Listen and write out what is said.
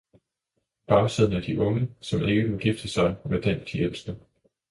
Bagsiden er de unge, som ikke må gifte sig med den, de elsker.